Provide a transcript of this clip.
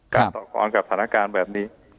การต่อครองกับสถานการณ์แบบนี้